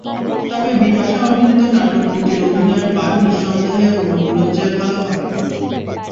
তবে বিপাশা অভিনীত নাটক দুটির অভিনয়ের মান নিঃসন্দেহে অন্যগুলোর চেয়ে ভালো হবে।